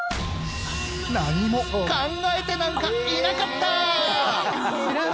何も考えてなんかいなかった！